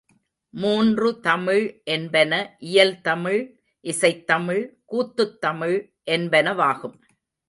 மூன்று தமிழ் என்பன இயல் தமிழ், இசைத் தமிழ், கூத்துத் தமிழ் என்பனவாகும்.